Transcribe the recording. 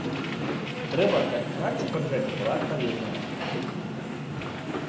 Трэба, каб праца пад гэта была адпаведная.